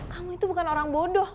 kamu itu bukan orang bodoh